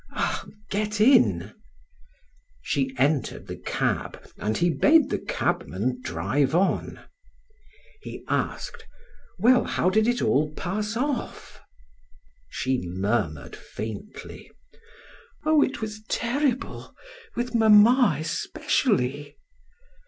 "Ah, get in." She entered the cab and he bade the cabman drive on. He asked: "Well, how did it all pass off?" She murmured faintly: "Oh, it was terrible, with mamma especially."